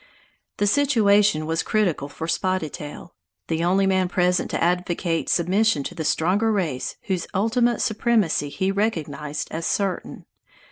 The situation was critical for Spotted Tail the only man present to advocate submission to the stronger race whose ultimate supremacy he recognized as certain.